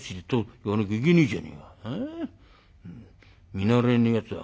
見慣れねえやつだな。